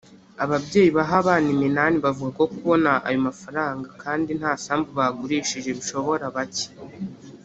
Ababyeyi baha abana iminani bavuga ko kubona ayo mafaranga kandi nta sambu bagurishije bishobora bake